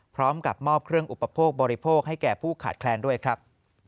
พร้อมกับมอบเครื่องอุปโภคบริโภคให้แก่ผู้ขาดแคลนด้วยครับ